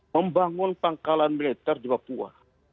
membangun pangkalan militer di papua